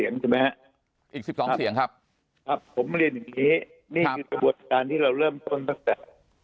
๒๓๘นี่ค่ะ๒เสียงใช่ไหมครับ